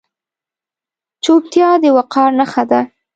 چوپتیا، د وقار نښه ده.